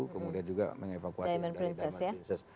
kemudian juga mengevakuasi dari diamond princess